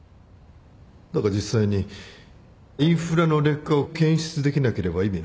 だが実際にインフラの劣化を検出できなければ意味ない。